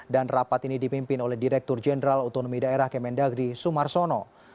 dan rapat ini dimimpin oleh direktur jenderal otonomi daerah kementerian dalam negeri sumar sono